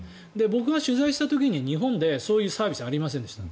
僕が取材した時に日本でそういうサービスはありませんでした。